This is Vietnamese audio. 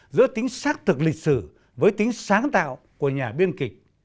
giữa tính xác thực lịch sử với tính sáng tạo của nhà biên kịch